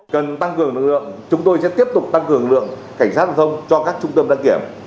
cần tăng cường lực lượng chúng tôi sẽ tiếp tục tăng cường lượng cảnh sát giao thông cho các trung tâm đăng kiểm